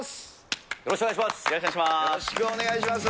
よろしくお願いします。